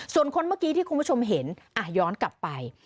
ส่วนคนเมื่อกี้ที่คุณผู้ชมเห็นย้อนกลับไป